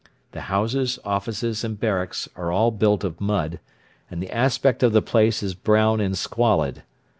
The houses, offices, and barracks are all built of mud, and the aspect of the place is brown and squalid.